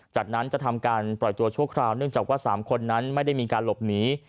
จากนั้นจะทำการปล่อยตัวชั่วคราวเนื่องจากว่า๓คนนั้นไม่ได้มีการหลบหนี